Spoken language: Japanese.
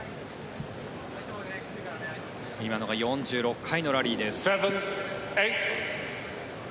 今のが４６回のラリーです。